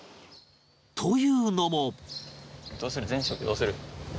というのも